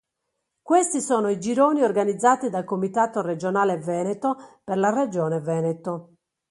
Questi sono i gironi organizzati dal Comitato Regionale Veneto per la regione Veneto.